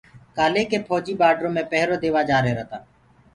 ڪآليِ ڪيِ ڦوجيٚ بآڊري ميِ پيهرو ديوآ جآريهِرآ تآ